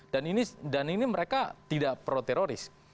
dan ini mereka tidak proteroris